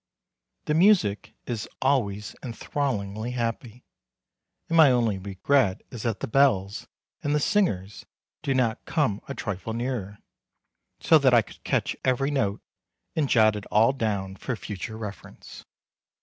The music is always enthrallingly happy, and my only regret is that the bells and the singers do not come a trifle nearer, so that I could catch every note and jot it all down for future reference.